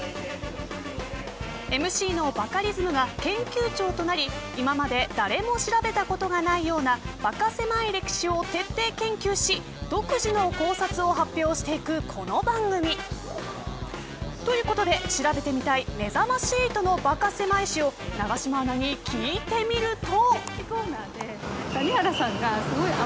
ＭＣのバカリズムが研究長となり今まで誰も調べたことがないようなバカせまい歴史を徹底研究し独自の考察を発表していく、この番組。ということで、調べてみたいめざまし８のバカせまい史を永島アナに聞いてみると。